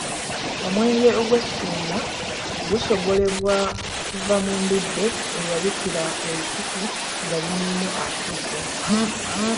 Omwenge ogw'essuumwa gusogolebwa kuva mu mbidde eyabikira olusuku nga nnyinimu afudde.